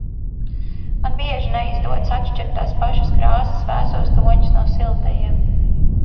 Man bieži neizdodas atšķirt tās pašas krāsas vēsos toņus no siltajiem.